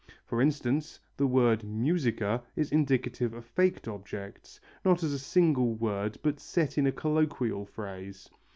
For instance, the word musica is indicative of faked objects, not as a single word but set in a colloquial phrase.